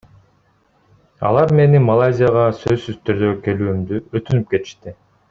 Алар мени Малайзияга сөзсүз түрдө келүүмдү өтүнүп кетишти.